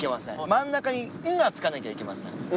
真ん中に「ん」が付かなきゃいけません。